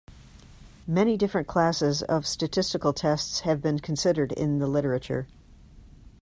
Many different classes of statistical tests have been considered in the literature.